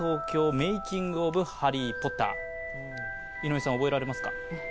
井上さん、覚えられますか？